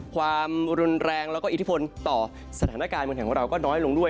ความรุนแรงแล้วก็อิทธิพลต่อสถานการณ์เมืองไทยของเราก็น้อยลงด้วย